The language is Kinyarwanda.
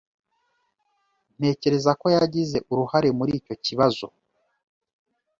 Ntekereza ko yagize uruhare muri icyo kibazo.